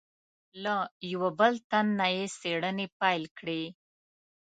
له یوه بل تن نه یې څېړنې پیل کړې.